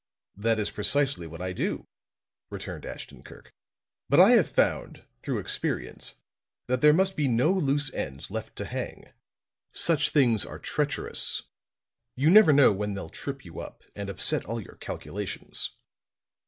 "That is precisely what I do," returned Ashton Kirk. "But I have found, through experience, that there must be no loose ends left to hang. Such things are treacherous; you never know when they'll trip you up and upset all your calculations."